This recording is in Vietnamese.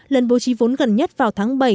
lần bố trí vốn gần nhất vào tháng bảy